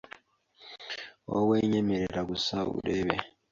wowe nyemerera gusa urebe